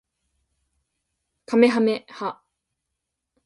かめはめ波